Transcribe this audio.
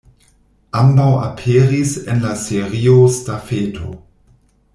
Ambaŭ aperis en la Serio Stafeto.